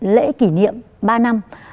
lễ kỷ niệm ba năm